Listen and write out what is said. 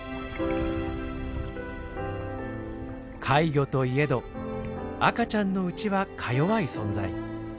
怪魚といえど赤ちゃんのうちはか弱い存在。